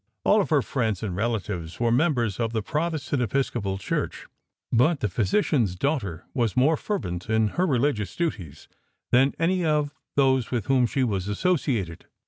All of her friends and relatives were members of the Protestant Episcopal Church, but the physician's daughter was more fervent in her religious duties than any of those with whom she was associated.